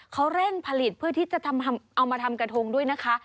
เขาเร่งผลิตเพื่อที่จะเอามาทำกระทงด้วยนะคะ